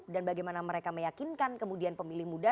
dan bagaimana mereka meyakinkan kemudian pemilih muda